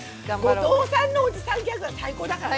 後藤さんのおじさんギャグは最高だからね。